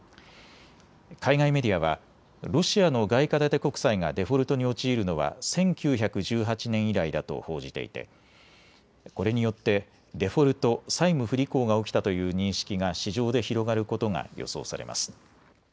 海外メディアはロシアの外貨建て国債がデフォルトに陥るのは１９１８年以来だと報じていてこれによってデフォルト・債務不履行が起きたという認識が市場で広がることが予想されます。